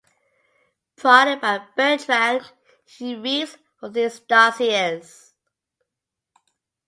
Prodded by Bertrand, he reads from these dossiers.